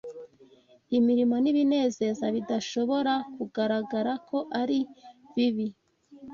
imirimo n’ibinezeza bidashobora kugaragara ko ari bibi